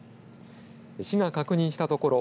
市が確認したところ